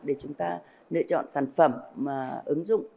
để chúng ta lựa chọn sản phẩm ứng dụng